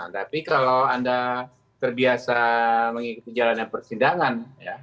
tapi kalau anda terbiasa mengikuti jalannya persidangan